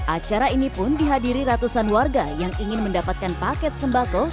acara ini pun dihadiri ratusan warga yang ingin mendapatkan paket sembako